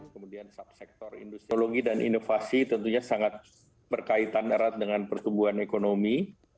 teknologi dan inovasi tentunya sangat berkaitan erat dengan pertumbuhan ekonomi